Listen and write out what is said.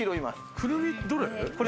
くるみどれ？